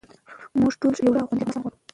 موږ ټول یو ښه او خوندي افغانستان غواړو.